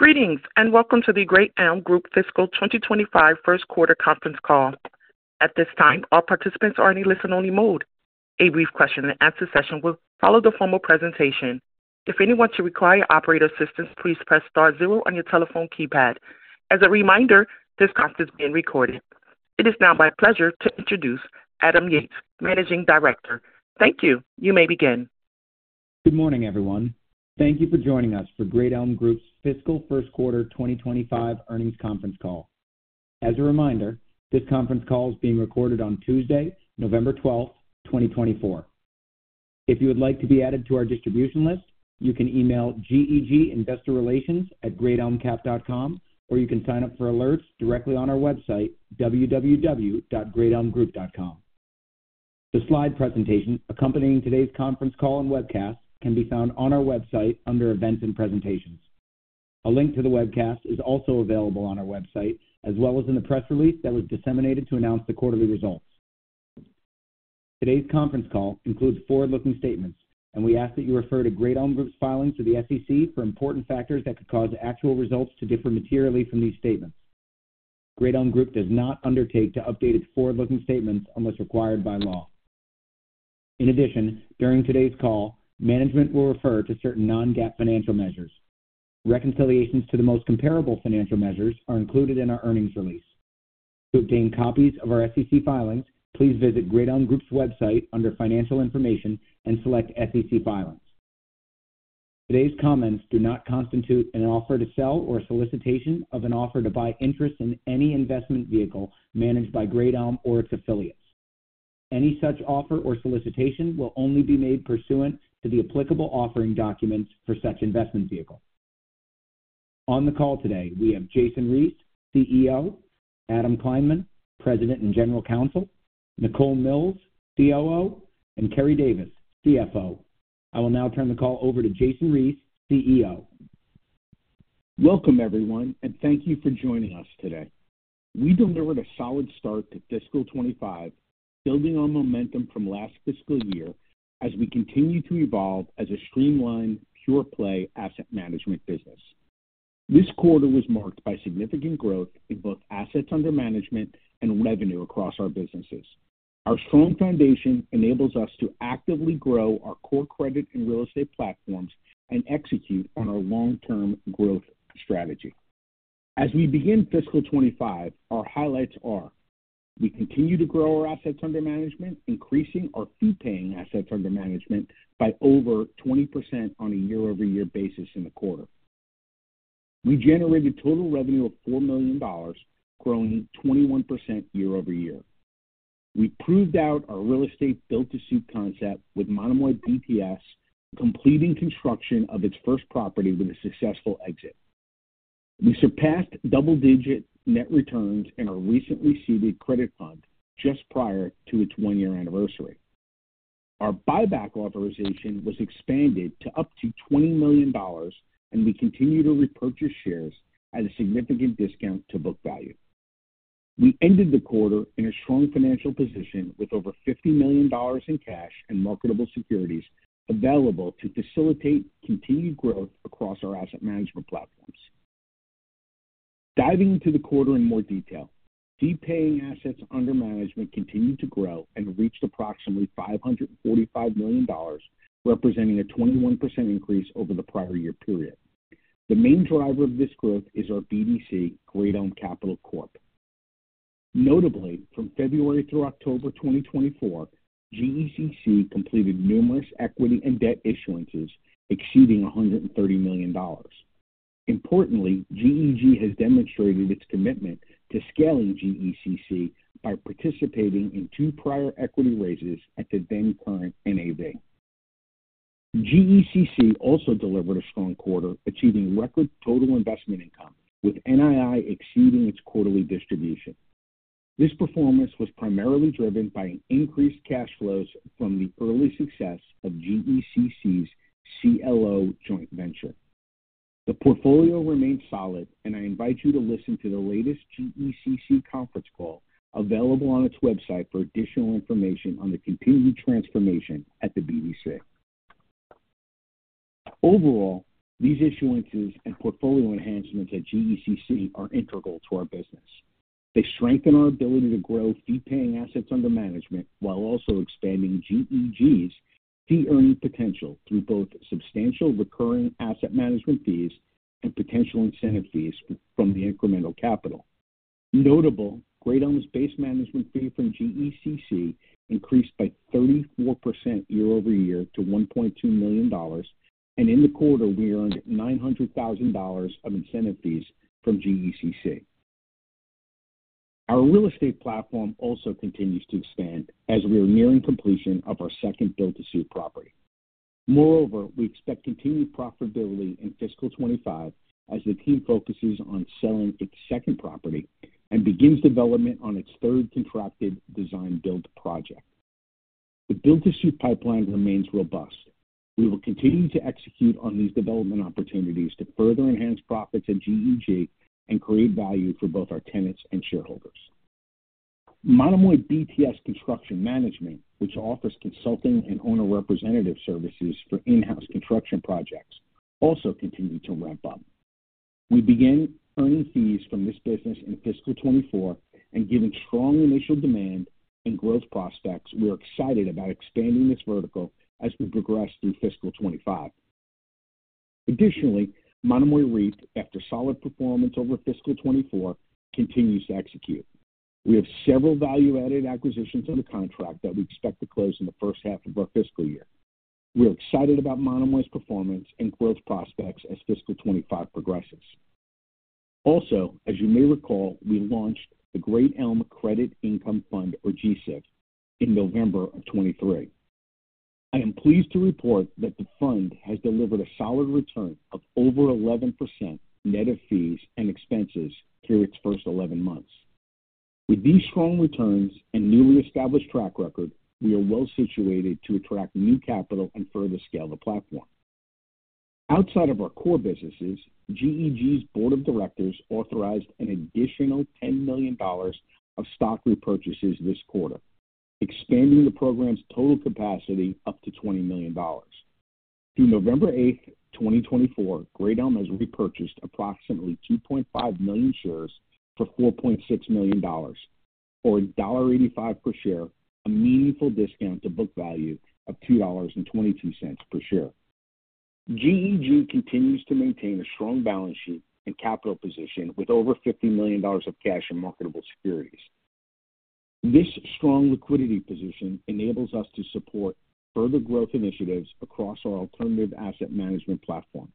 Greetings and welcome to the Great Elm Group fiscal 2025 first quarter conference call. At this time, all participants are in a listen-only mode. A brief question-and-answer session will follow the formal presentation. If anyone should require operator assistance, please press star zero on your telephone keypad. As a reminder, this conference is being recorded. It is now my pleasure to introduce Adam Yates, Managing Director. Thank you. You may begin. Good morning, everyone. Thank you for joining us for Great Elm Group's fiscal first quarter 2025 earnings conference call. As a reminder, this conference call is being recorded on Tuesday, November 12th, 2024. If you would like to be added to our distribution list, you can email GEG Investor Relations at greatelmcap.com, or you can sign up for alerts directly on our website, www.greatelmgroup.com. The slide presentation accompanying today's conference call and webcast can be found on our website under Events and Presentations. A link to the webcast is also available on our website, as well as in the press release that was disseminated to announce the quarterly results. Today's conference call includes forward-looking statements, and we ask that you refer to Great Elm Group's filings to the SEC for important factors that could cause actual results to differ materially from these statements. Great Elm Group does not undertake to update its forward-looking statements unless required by law. In addition, during today's call, management will refer to certain non-GAAP financial measures. Reconciliations to the most comparable financial measures are included in our earnings release. To obtain copies of our SEC filings, please visit Great Elm Group's website under Financial Information and select SEC Filings. Today's comments do not constitute an offer to sell or a solicitation of an offer to buy interest in any investment vehicle managed by Great Elm or its affiliates. Any such offer or solicitation will only be made pursuant to the applicable offering documents for such investment vehicle. On the call today, we have Jason Reese, CEO, Adam Kleinman, President and General Counsel, Nicole Mills, COO, and Keri Davis, CFO. I will now turn the call over to Jason Reese, CEO. Welcome, everyone, and thank you for joining us today. We delivered a solid start to fiscal 2025, building on momentum from last fiscal year as we continue to evolve as a streamlined, pure-play asset management business. This quarter was marked by significant growth in both assets under management and revenue across our businesses. Our strong foundation enables us to actively grow our core credit and real estate platforms and execute on our long-term growth strategy. As we begin fiscal 2025, our highlights are: we continue to grow our assets under management, increasing our fee-paying assets under management by over 20% on a year-over-year basis in the quarter. We generated total revenue of $4 million, growing 21% year-over-year. We proved out our real estate build-to-suit concept with Monomoy BTS, completing construction of its first property with a successful exit. We surpassed double-digit net returns in our recently seeded credit fund just prior to its one-year anniversary. Our buyback authorization was expanded to up to $20 million, and we continue to repurchase shares at a significant discount to book value. We ended the quarter in a strong financial position with over $50 million in cash and marketable securities available to facilitate continued growth across our asset management platforms. Diving into the quarter in more detail, fee-paying assets under management continued to grow and reached approximately $545 million, representing a 21% increase over the prior year period. The main driver of this growth is our BDC, Great Elm Capital Corp. Notably, from February through October 2024, GECC completed numerous equity and debt issuances exceeding $130 million. Importantly, GEG has demonstrated its commitment to scaling GECC by participating in two prior equity raises at the then-current NAV. GECC also delivered a strong quarter, achieving record total investment income, with NII exceeding its quarterly distribution. This performance was primarily driven by increased cash flows from the early success of GECC's CLO joint venture. The portfolio remained solid, and I invite you to listen to the latest GECC conference call available on its website for additional information on the continued transformation at the BDC. Overall, these issuances and portfolio enhancements at GECC are integral to our business. They strengthen our ability to grow fee-paying assets under management while also expanding GEG's fee-earning potential through both substantial recurring asset management fees and potential incentive fees from the incremental capital. Notably, Great Elm's base management fee from GECC increased by 34% year-over-year to $1.2 million, and in the quarter, we earned $900,000 of incentive fees from GECC. Our real estate platform also continues to expand as we are nearing completion of our second build-to-suit property. Moreover, we expect continued profitability in fiscal 2025 as the team focuses on selling its second property and begins development on its third contracted design-build project. The build-to-suit pipeline remains robust. We will continue to execute on these development opportunities to further enhance profits at GEG and create value for both our tenants and shareholders. Monomoy BTS Construction Management, which offers consulting and owner-representative services for in-house construction projects, also continued to ramp up. We began earning fees from this business in fiscal 2024, and given strong initial demand and growth prospects, we are excited about expanding this vertical as we progress through fiscal 2025. Additionally, Monomoy REIT, after solid performance over fiscal 2024, continues to execute. We have several value-added acquisitions under contract that we expect to close in the first half of our fiscal year. We are excited about Monomoy's performance and growth prospects as fiscal 2025 progresses. Also, as you may recall, we launched the Great Elm Credit Income Fund, or GCIF, in November of 2023. I am pleased to report that the fund has delivered a solid return of over 11% net of fees and expenses through its first 11 months. With these strong returns and newly established track record, we are well situated to attract new capital and further scale the platform. Outside of our core businesses, GEG's board of directors authorized an additional $10 million of stock repurchases this quarter, expanding the program's total capacity up to $20 million. Through November 8th, 2024, Great Elm has repurchased approximately 2.5 million shares for $4.6 million, or $1.85 per share, a meaningful discount to book value of $2.22 per share. GEG continues to maintain a strong balance sheet and capital position with over $50 million of cash and marketable securities. This strong liquidity position enables us to support further growth initiatives across our alternative asset management platform.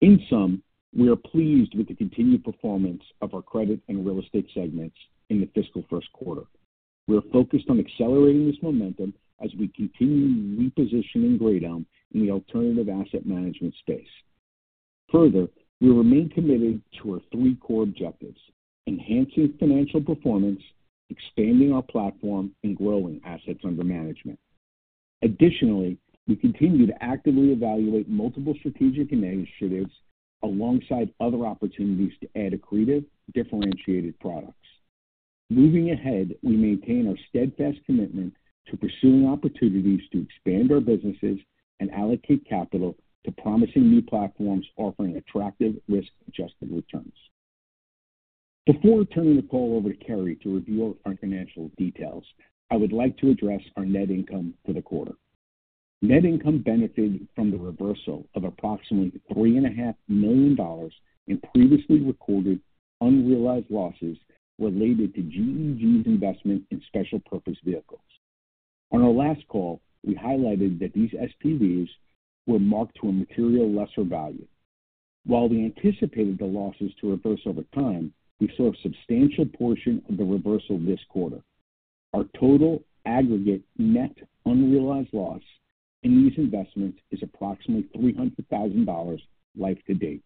In sum, we are pleased with the continued performance of our credit and real estate segments in the fiscal first quarter. We are focused on accelerating this momentum as we continue repositioning Great Elm in the alternative asset management space. Further, we remain committed to our three core objectives: enhancing financial performance, expanding our platform, and growing assets under management. Additionally, we continue to actively evaluate multiple strategic initiatives alongside other opportunities to add accretive, differentiated products. Moving ahead, we maintain our steadfast commitment to pursuing opportunities to expand our businesses and allocate capital to promising new platforms offering attractive risk-adjusted returns. Before turning the call over to Keri to review our financial details, I would like to address our net income for the quarter. Net income benefited from the reversal of approximately $3.5 million in previously recorded unrealized losses related to GEG's investment in special purpose vehicles. On our last call, we highlighted that these SPVs were marked to a materially lesser value. While we anticipated the losses to reverse over time, we saw a substantial portion of the reversal this quarter. Our total aggregate net unrealized loss in these investments is approximately $300,000 life to date.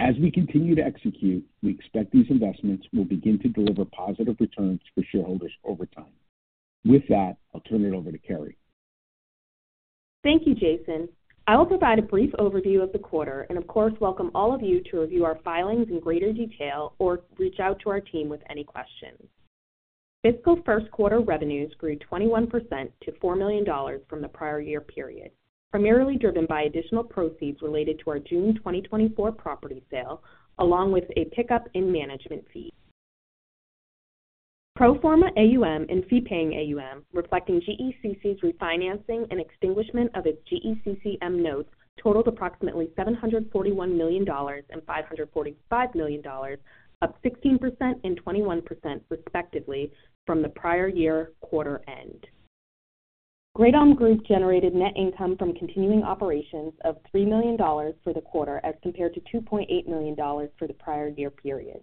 As we continue to execute, we expect these investments will begin to deliver positive returns for shareholders over time. With that, I'll turn it over to Keri. Thank you, Jason. I will provide a brief overview of the quarter and, of course, welcome all of you to review our filings in greater detail or reach out to our team with any questions. Fiscal first quarter revenues grew 21% to $4 million from the prior year period, primarily driven by additional proceeds related to our June 2024 property sale, along with a pickup in management fee. Pro forma AUM and fee-paying AUM reflecting GECC's refinancing and extinguishment of its GECCM notes totaled approximately $741 million and $545 million, up 16% and 21% respectively from the prior year quarter end. Great Elm Group generated net income from continuing operations of $3 million for the quarter as compared to $2.8 million for the prior year period.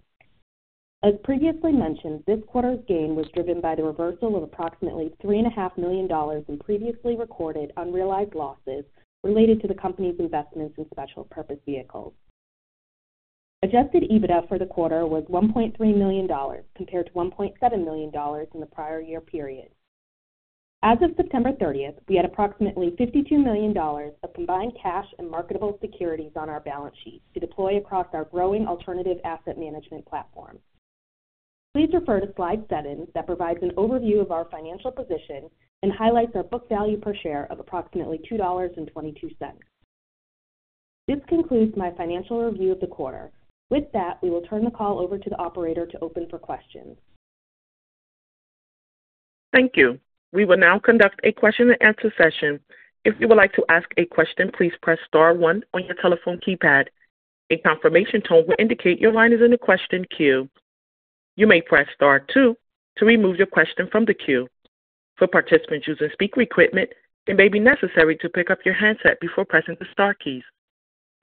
As previously mentioned, this quarter's gain was driven by the reversal of approximately $3.5 million in previously recorded unrealized losses related to the company's investments in special purpose vehicles. Adjusted EBITDA for the quarter was $1.3 million, compared to $1.7 million in the prior year period. As of September 30th, we had approximately $52 million of combined cash and marketable securities on our balance sheet to deploy across our growing alternative asset management platform. Please refer to slide 7 that provides an overview of our financial position and highlights our book value per share of approximately $2.22. This concludes my financial review of the quarter. With that, we will turn the call over to the operator to open for questions. Thank you. We will now conduct a question-and-answer session. If you would like to ask a question, please press star one on your telephone keypad. A confirmation tone will indicate your line is in a question queue. You may press star one to remove your question from the queue. For participants using speaker equipment, it may be necessary to pick up your handset before pressing the star keys.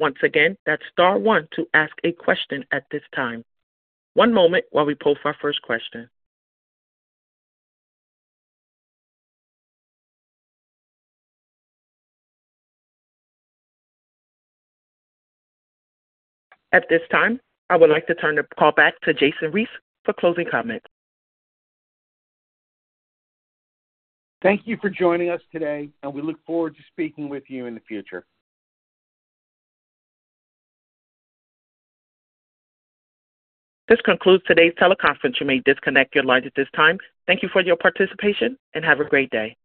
Once again, that's star one to ask a question at this time. One moment while we post our first question. At this time, I would like to turn the call back to Jason Reese for closing comments. Thank you for joining us today, and we look forward to speaking with you in the future. This concludes today's teleconference. You may disconnect your lines at this time. Thank you for your participation and have a great day.